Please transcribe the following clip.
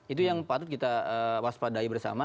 itu yang patut kita waspadai bersama